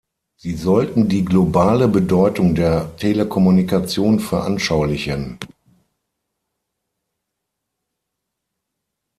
Sie sollten die globale Bedeutung der Telekommunikation veranschaulichen.